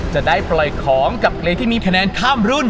จะได้ปล่อยของกับเพลงที่มีคะแนนข้ามรุ่น